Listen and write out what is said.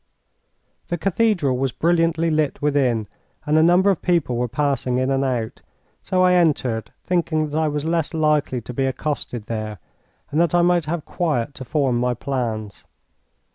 The cathedral was brilliantly lit within, and a number of people were passing in and out; so I entered, thinking that I was less likely to be accosted there, and that I might have quiet to form my plans.